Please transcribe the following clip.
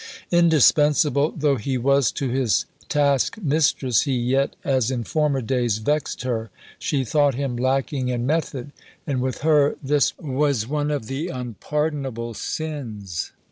Indispensable though he was to his task mistress, he yet, as in former days, vexed her. She thought him lacking in method, and with her this was one of the unpardonable sins.